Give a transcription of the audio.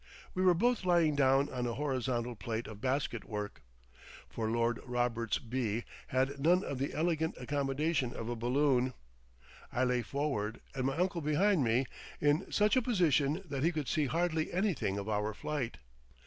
We were both lying down on a horizontal plate of basketwork; for Lord Roberts β had none of the elegant accommodation of a balloon. I lay forward, and my uncle behind me in such a position that he could see hardly anything of our flight.